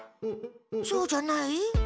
そうじゃない？